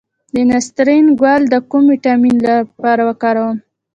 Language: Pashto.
د نسترن ګل د کوم ویټامین لپاره وکاروم؟